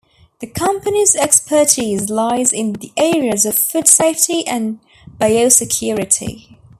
The company's expertise lies in the areas of Food safety and Biosecurity.